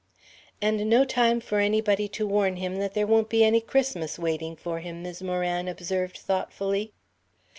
"And no time for anybody to warn him that there won't be any Christmas waiting for him," Mis' Moran observed thoughtfully.